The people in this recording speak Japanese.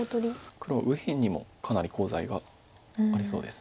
黒は右辺にもかなりコウ材がありそうです。